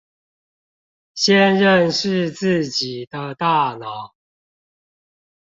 先認識自己的大腦